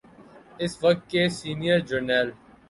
اس وقت کے سینئر جرنیل۔